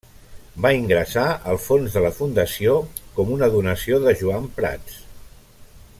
Va ingressar al fons de la fundació com una donació de Joan Prats.